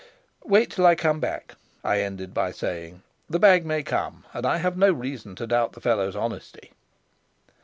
"Wait till I come back," I ended by saying. "The bag may come, and I have no reason to doubt the fellow's honesty."